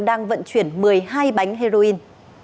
đang vận chuyển một mươi hai bánh heroin